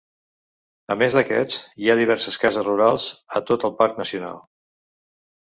A més d'aquests, hi ha diverses cases rurals a tot el parc nacional.